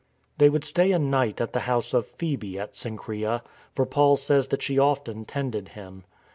They would stay a night at the house of Phoebe at Cenchreae, for Paul says that she often tended him.